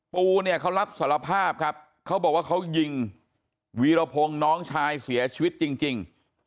ปูเนี่ยเขารับสารภาพครับเขาบอกว่าเขายิงวีรพงศ์น้องชายเสียชีวิตจริง